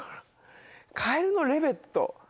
カエルのレベット。